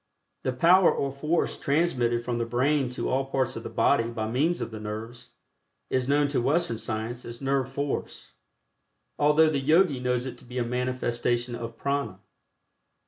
The power or force transmitted from the brain to all parts of the body by means of the nerves, is known to Western science as "nerve force," although the Yogi knows it to be a manifestation of Prana.